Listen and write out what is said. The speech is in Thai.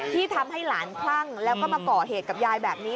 ที่ทำให้หลานคลั่งแล้วก็มาก่อเหตุกับยายแบบนี้